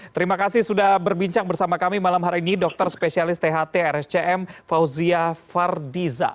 terima kasih sudah berbincang bersama kami malam hari ini dokter spesialis tht rscm fauzia fardiza